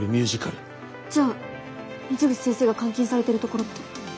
じゃあ水口先生が監禁されてるところって。